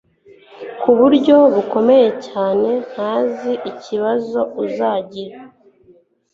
kuburyo bukomeye cyane ntakibazo uzagira